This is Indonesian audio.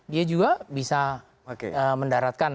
dia juga bisa mendaratkan